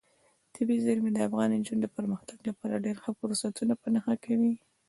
طبیعي زیرمې د افغان نجونو د پرمختګ لپاره ډېر ښه فرصتونه په نښه کوي.